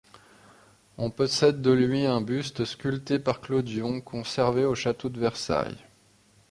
On possède de lui un buste sculpté par Clodion, conservé au château de Versailles.